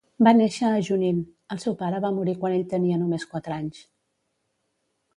Va néixer a Junín, el seu pare va morir quan ell tenia només quatre anys.